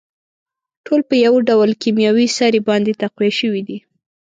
ټول په يوه ډول کيمياوي سرې باندې تقويه شوي دي.